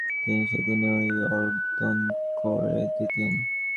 তিনি সে দিনই ঐ অর্ দান করে দিতেন।